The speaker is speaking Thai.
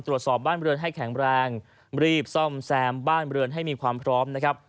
ตรวจสอบบ้านเรือนให้แข็งแรงรีบซ่อมแซมบ้านเรือนให้มีความพร้อมนะครับ